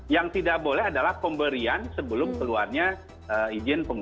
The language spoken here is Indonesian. yang tidak boleh adalah pemberian sebelum keluarnya vaksin